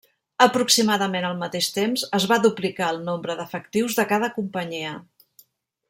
Aproximadament al mateix temps es va duplicar el nombre d'efectius de cada companyia.